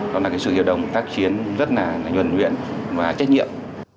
đó là sự hiệp đồng tác chiến rất là nhuận nguyện và trách nhiệm